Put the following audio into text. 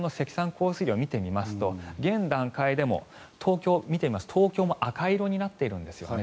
降水量を見てみますと現段階でも東京を見てみますと東京も赤色になっているんですよね。